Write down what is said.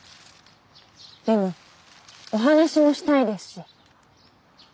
でもお話もしたいですし。